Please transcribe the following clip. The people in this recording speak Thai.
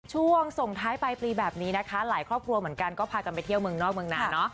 ช่วงส่งท้ายปลายปีแบบนี้นะคะหลายครอบครัวเหมือนกันก็พากันไปเที่ยวเมืองนอกเมืองหนาเนอะ